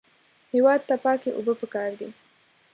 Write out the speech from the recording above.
هېواد ته پاکې اوبه پکار دي